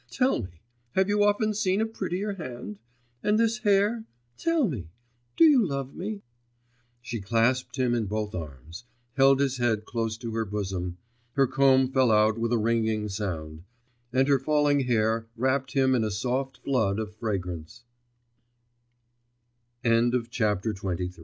Tell me, have you often seen a prettier hand? And this hair? Tell me, do you love me?' She clasped him in both arms, held his head close to her bosom, her comb fell out with a ringing sound, and her falling hair wrapped him in a sof